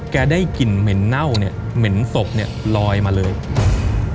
ได้กลิ่นเหม็นเน่าเนี่ยเหม็นศพเนี้ยลอยมาเลยครับ